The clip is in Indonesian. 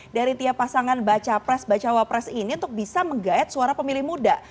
dari tiap pasangan baca pres bacawa pres ini untuk bisa menggait suara pemilih muda